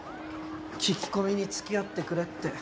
聞き込みに付き合ってくれって。